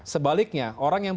sebaliknya orang yang